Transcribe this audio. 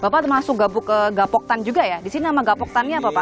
bapak termasuk gapuk ke gapoktan juga ya di sini nama gapok tani apa pak